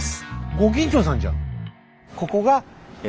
ご近所さんじゃん。